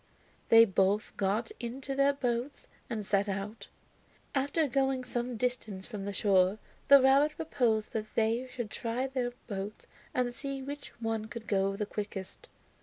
They both got into their boats and set out. After going some distance from the shore the rabbit proposed that they should try their boats and see which one could go the quickest.